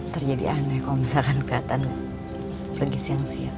terjadi aneh kalo misalkan keliatan pergi siang siang